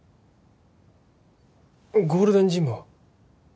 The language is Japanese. ゴールデンジムは？